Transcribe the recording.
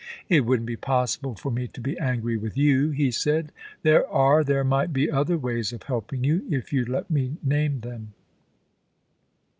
' It wouldn't be possible for me to be angry with you,' he said. * There are — there might be other ways of helping you, if you'd let me name them.'